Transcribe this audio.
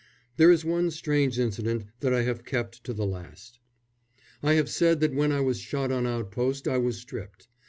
There is one strange incident that I have kept to the last. I have said that when I was shot on outpost I was stripped.